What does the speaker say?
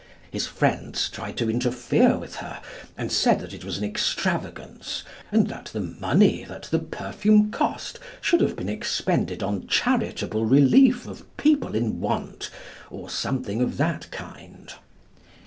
His friends tried to interfere with her, and said that it was an extravagance, and that the money that the perfume cost should have been expended on charitable relief of people in want, or something of that kind.